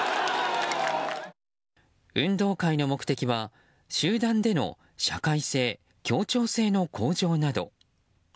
運動会の目的は集団での社会性・協調性の向上など。